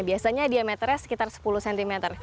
biasanya diameternya sekitar sepuluh cm